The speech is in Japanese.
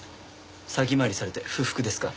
先回りされて不服ですか？